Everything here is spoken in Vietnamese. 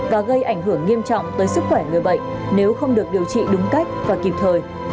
và gây ảnh hưởng nghiêm trọng tới sức khỏe người bệnh nếu không được điều trị đúng cách và kịp thời